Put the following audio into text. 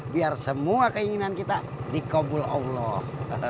biar semua keinginan kita dikabul allah